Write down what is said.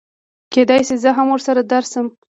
کېدی شي زه هم ورسره درشم